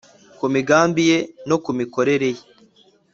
ku migambi ye no ku mikorere ye...